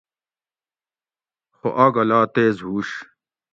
خو آگہ لا تیز ہُوش